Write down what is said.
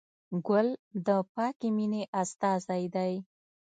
ګل د پاکې مینې استازی دی.